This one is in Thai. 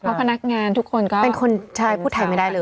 เพราะพนักงานทุกคนก็เป็นคนใช่พูดไทยไม่ได้เลย